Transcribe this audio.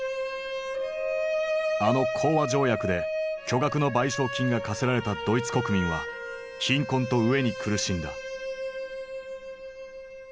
あの講和条約で巨額の賠償金が科せられたドイツ国民は貧困と飢えに苦しんだ。